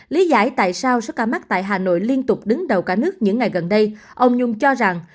lý giải tại sao số ca mắc tại hà nội liên tục đứng đầu cả nước những ngày gần đây ông nhung cho rằng